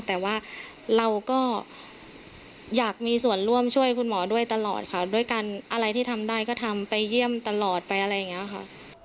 แต่ว่าเราก็อยากมีส่วนร่วมช่วยคุณหมอด้วยตลอดค่ะด้วยการอะไรที่ทำได้ก็ทำไปเยี่ยมตลอดไปอะไรอย่างนี้ค่ะ